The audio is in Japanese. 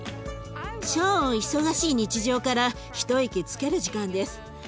超忙しい日常から一息つける時間です。